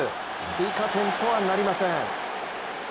追加点とはなりません。